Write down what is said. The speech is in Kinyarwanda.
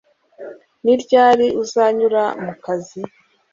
Ni ryari uzanyura mu kazi?